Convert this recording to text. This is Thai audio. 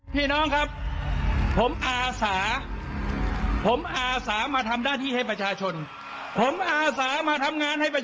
การปกป้องประชาธิปไตยพิทักษ์และสารทางโน้นของเรา